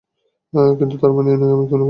কিন্তু তার মানে এই নয়, আমিই খুন করেছি।